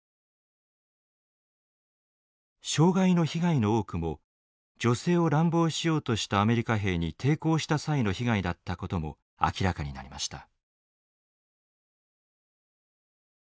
傷害の被害の多くも女性を乱暴しようとしたアメリカ兵に抵抗した際の被害だったことも明らかになりました。